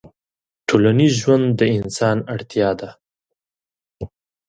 ټولنيز ژوند د انسان اړتيا ده